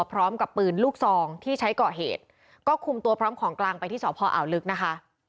พร้อมกับปืนลูกซองที่ใช้ก่อเหตุก็คุมตัวพร้อมของกลางไปที่สพอ่าวลึกนะคะ